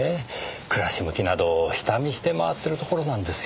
暮らし向きなど下見して回っているところなんですよ。